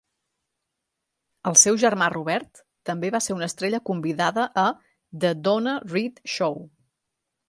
El seu germà Robert també va ser una estrella convidada a "The Donna Reed Show".